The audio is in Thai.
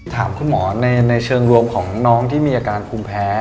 ถามคุณหมอในเชิงรวมของน้องที่มีอาการภูมิแพ้